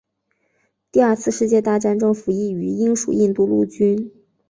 第二次世界大战中服役于英属印度陆军。